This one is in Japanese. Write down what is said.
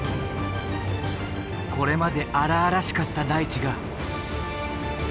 これまで荒々しかった大地が。